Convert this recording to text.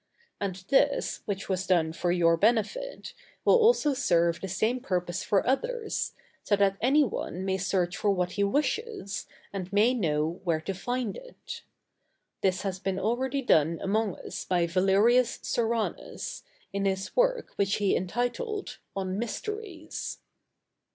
And this, which was done for your benefit, will also serve the same purpose for others, so that any one may search for what he wishes, and may know where to find it. This has been already done among us by Valerius Soranus, in his work which he entitled "On Mysteries."